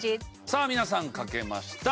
さあ皆さん書けました。